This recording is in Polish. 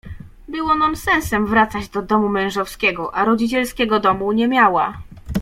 Było nonsensem wracać do domu mężowskiego, a rodzicielskiego domu nie miała.